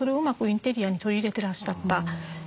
インテリアに取り入れてらっしゃった。